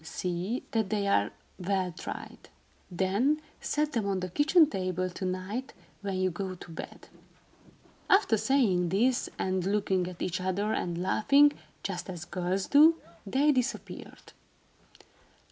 See that they are well dried. Then set them on the kitchen table to night, when you go to bed." After saying this, and looking at each other and laughing, just as girls do, they disappeared.